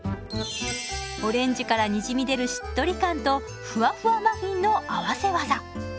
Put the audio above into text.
オレンジからにじみ出るしっとり感とふわふわマフィンの合わせ技。